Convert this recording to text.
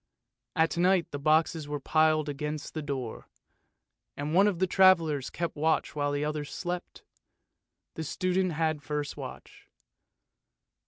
At night the boxes were piled against the door, and one of the travellers kept watch while the others slept. The student had the first watch.